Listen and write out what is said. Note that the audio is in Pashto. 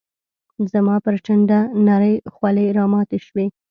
زما پر ټنډه نرۍ خولې راماتي شوې